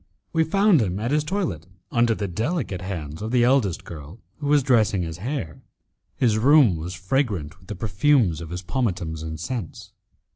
We found him at his toilet under the delicate hands of the eldest girl, who was dressing his hair. His room, was fragrant with the perfumes of his pomatums and scents.